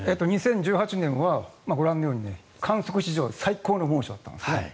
２０１８年はご覧のように観測史上最高の猛暑だったんですね。